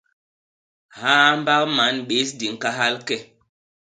Haambak man, bés di kahal ke!